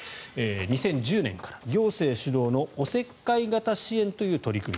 ２０１０年から行政主導のおせっかい型支援という取り組み。